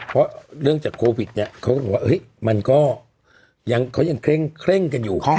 เพราะเรื่องจากโควิดเนี่ยเขาก็บอกว่ามันก็ยังเคร่งกันอยู่